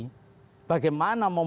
bagaimana mau membiarkan arah politik